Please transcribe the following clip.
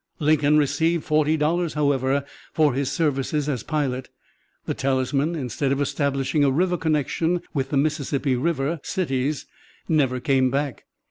Lincoln received forty dollars, however, for his services as pilot. The Talisman, instead of establishing a river connection with the Mississippi River cities, never came back.